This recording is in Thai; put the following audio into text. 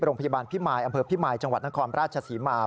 โรงพยาบาลพิมายอำเภอพิมายจังหวัดนครราชศรีมา